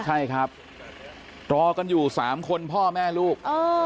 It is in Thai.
ใช่ครับรอกันอยู่๓คนพ่อแม่ลูก